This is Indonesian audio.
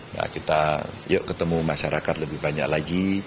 nah kita yuk ketemu masyarakat lebih banyak lagi